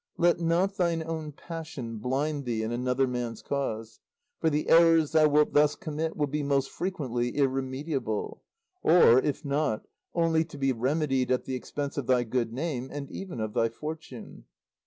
"Let not thine own passion blind thee in another man's cause; for the errors thou wilt thus commit will be most frequently irremediable; or if not, only to be remedied at the expense of thy good name and even of thy fortune.